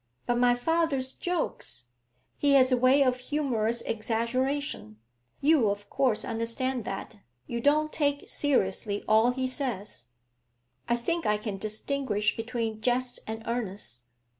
'But my father's jokes; he has a way of humorous exaggeration. You of course understand that; you don't take seriously all he says?' 'I think I can distinguish between jest and earnest.'